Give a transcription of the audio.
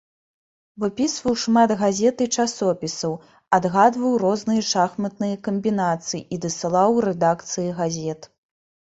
Выпісваў шмат газет і часопісаў, адгадваў розныя шахматныя камбінацыі і дасылаў у рэдакцыі газет.